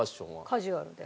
カジュアルで。